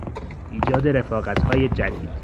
ایجاد رفاقتهای جدید